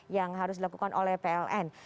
yang harus dilakukan oleh pln